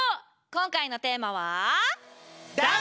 今回のテーマは。